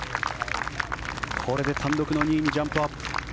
これで単独の２位にジャンプアップ。